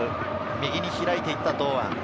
右に開いていった堂安。